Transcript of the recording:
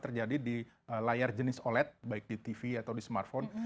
terjadi di layar jenis oled baik di tv atau di smartphone